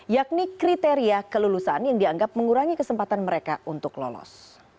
yakni kriteria kelulusan yang dianggap mengurangi kesempatan mereka untuk lolos